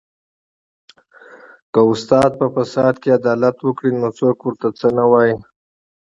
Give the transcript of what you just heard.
که استاد په فساد کې عدالت وکړي نو څوک ورته څه نه وايي